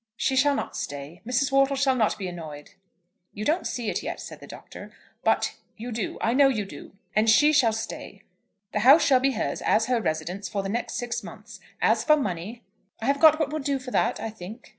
"She shall not stay. Mrs. Wortle shall not be annoyed." "You don't see it yet," said the Doctor. "But you do. I know you do. And she shall stay. The house shall be hers, as her residence, for the next six months. As for money " "I have got what will do for that, I think."